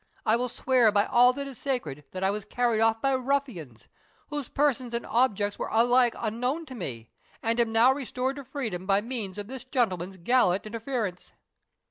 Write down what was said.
I will swear by all that is sacred, that I was carried off by ruffians, whose persons and object were alike unknown to me, and am now restored to freedom by means of this gentleman's gallant interference."